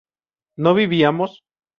¿no vivíamos?